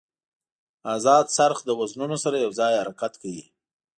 ازاد څرخ د وزنونو سره یو ځای حرکت کوي.